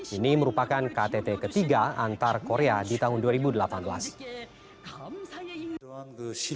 ini merupakan ktt ketiga antar korea di tahun dua ribu delapan belas